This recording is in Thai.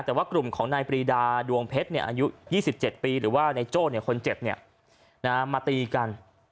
แต่ว่ากลุ่มของนายปรีดาดวงเพชรอายุ๒๗ปีหรือว่านายโจ้คนเจ็บมาตีกัน